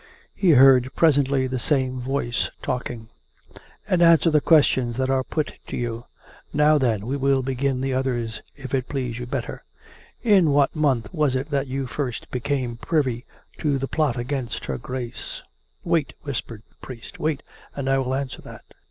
... He heard presently the same voice talking: "— and answer the questions that are put to you. ... 448 COME RACK! COME ROPE! Now then, we will begin the others, if it please you better. ... In what month was it that you first became privy to the plot against her Grace .^"" Wait !" whispered the priest. " Wait, and I will answer that."